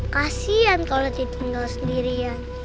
kasian kalau ditinggal sendirian